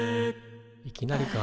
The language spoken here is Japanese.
いきなりか。